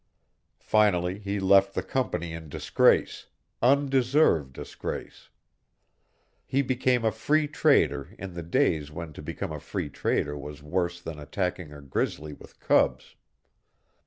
Finally he left the company in disgrace undeserved disgrace. He became a Free Trader in the days when to become a Free Trader was worse than attacking a grizzly with cubs.